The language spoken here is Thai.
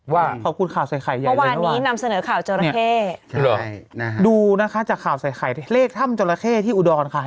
ว่าขอบคุณข่าวใส่ไข่ใหญ่เลยนะว่า